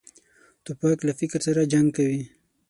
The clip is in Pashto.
توپک له فکر سره جنګ کوي.